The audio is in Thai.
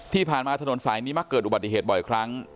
ที่ผ่านมาถนนสายนี้มักเกิดอุบัติเหตุบ่อยครั้ง